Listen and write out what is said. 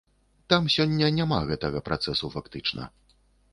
Там сёння няма гэтага працэсу фактычна.